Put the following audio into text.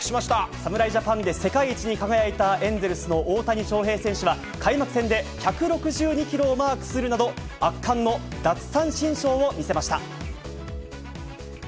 侍ジャパンで世界一に輝いたエンゼルスの大谷翔平選手は、開幕戦で１６２キロをマークするなど、圧巻の奪三振ショーを見せました。